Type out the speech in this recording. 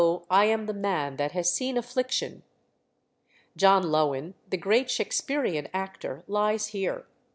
I am the man that has seen affliction." John Lowin, the great Shaksperean actor, lies here.